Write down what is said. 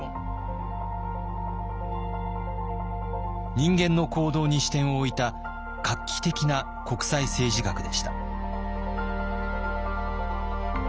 人間の行動に視点を置いた画期的な国際政治学でした。